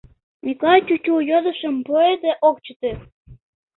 — Миклай чӱчӱ йодышым пуыде ок чыте.